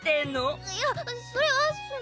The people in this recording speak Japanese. いやそれはその。